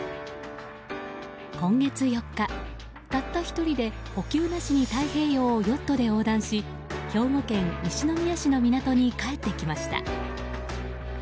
今月４日、たった１人で補給なしに太平洋をヨットで横断し兵庫県西宮市の港に帰ってきました。